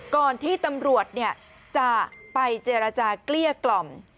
ก่อนที่ตำรวจจะไปเจรจาเกลี้ยกล่อม